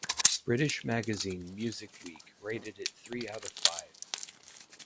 British magazine "Music Week" rated it three out of five.